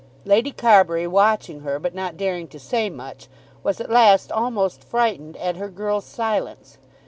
Lady Carbury watching her, but not daring to say much, was at last almost frightened at her girl's silence.